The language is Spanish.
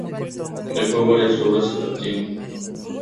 Dejó varias obras en latín.